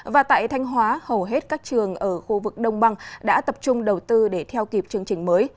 và tại thanh hóa hầu hết các trường ở khu vực đông băng đã tập trung đầu tư để theo kịp chương trình mới